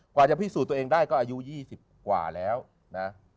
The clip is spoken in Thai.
กว่าจะพิสูจน์ตัวเองได้ก็อายุ๒๐กว่าแล้วนะ